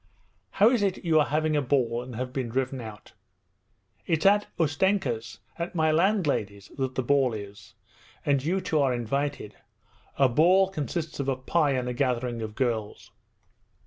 'How is it you are having a ball and have been driven out?' 'It's at Ustenka's, at my landlady's, that the ball is, and you two are invited. A ball consists of a pie and a gathering of girls.'